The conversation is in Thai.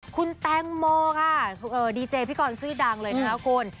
คุณแตงโมค่ะดีเจพิกรชื่อดังเลยนะคะคุณ